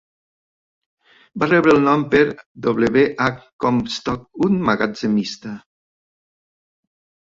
Va rebre el nom per W. H. Comstock, un magatzemista.